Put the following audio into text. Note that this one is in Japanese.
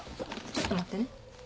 ちょっと待ってね。